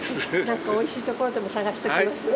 何かおいしいところでも探しておきます。